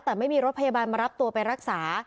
แต่ไม่มีรถพยาบาลมารับตัวไปรักษา